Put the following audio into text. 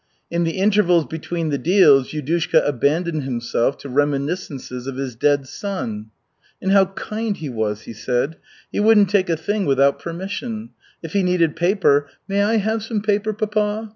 In the intervals between the deals, Yudushka abandoned himself to reminiscences of his dead son. "And how kind he was," he said. "He wouldn't take a thing without permission. If he needed paper, 'May I have some paper, papa?'